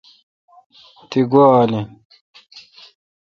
تی گوا آل این